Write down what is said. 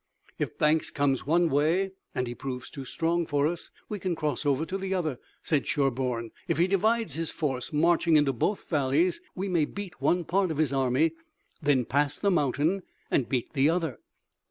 "If Banks comes one way and he proves too strong for us we can cross over to the other," said Sherburne. "If he divides his force, marching into both valleys, we may beat one part of his army, then pass the mountain and beat the other."